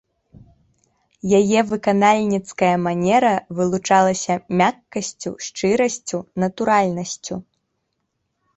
Яе выканальніцкая манера вылучалася мяккасцю, шчырасцю, натуральнасцю.